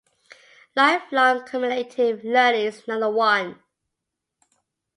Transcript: Lifelong cumulative learning is another one.